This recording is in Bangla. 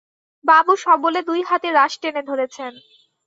বাবু সবলে দুই হাতে রাশ টেনে ধরেছেন।